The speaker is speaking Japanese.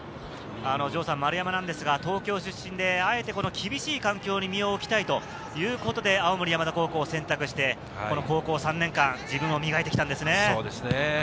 丸山ですが東京出身で、あえて厳しい環境に身を置きたいということで、青森山田高校を選択して、高校３年間、自分を磨いてきたんですね。